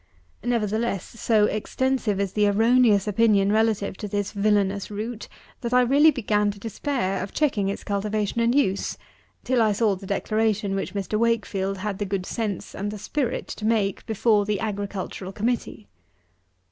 Nevertheless, so extensive is the erroneous opinion relative to this villanous root, that I really began to despair of checking its cultivation and use, till I saw the declaration which Mr. WAKEFIELD had the good sense and the spirit to make before the "AGRICULTURAL COMMITTEE."